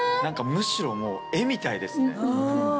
むしろ絵みたいですね。